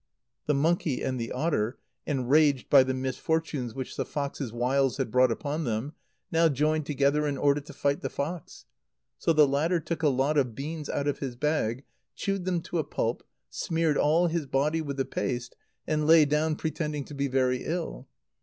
The monkey and the otter, enraged by the misfortunes which the fox's wiles had brought upon them, now joined together in order to fight the fox. So the latter took a lot of beans out of his bag, chewed them to a pulp, smeared all his body with the paste, and lay down pretending to be very ill.